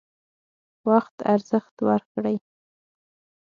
وخت ارزښت ورکړئ